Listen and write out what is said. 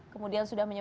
kemudian sudah menutup